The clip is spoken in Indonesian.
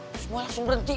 terus semua langsung berhenti